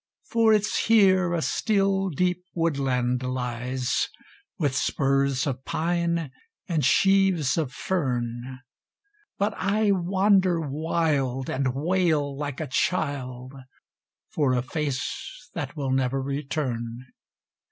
For it's here a still, deep woodland lies, With spurs of pine and sheaves of fern; But I wander wild, and wail like a child For a face that will never return!